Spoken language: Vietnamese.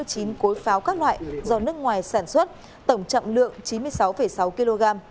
có sáu mươi chín cối pháo các loại do nước ngoài sản xuất tổng trọng lượng chín mươi sáu sáu kg